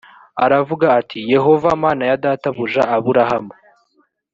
aravuga ati yehova mana ya databuja aburahamu